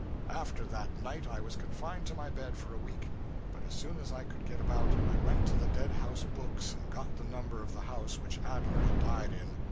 After that night, I was confined to my bed for a week; but as soon as I could get about, I went to the dead house books and got the number of the house which Adler had died in.